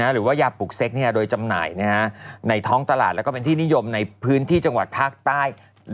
หรือว่ายาปลูกเซ็กโดยจำหน่ายในท้องตลาดแล้วก็เป็นที่นิยมในพื้นที่จังหวัดภาคใต้